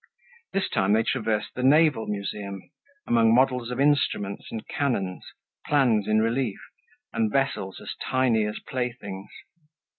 This time they traversed the Naval Museum, among models of instruments and cannons, plans in relief, and vessels as tiny as playthings.